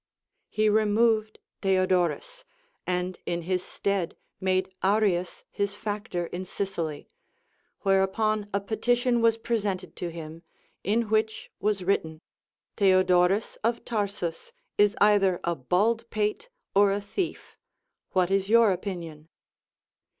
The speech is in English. He removed Theodorus, and in his stead made Arius his fac tor in Sicily^ whereupon a petition was presented to him, ill which was written, Theodorus of Tarsus is either a bald pate or a thief, what is your opinion